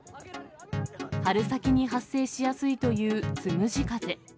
春先に発生しやすいというつむじ風。